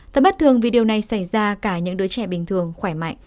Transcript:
thật bất thường vì điều này xảy ra cả những đứa trẻ bình thường khỏe mạnh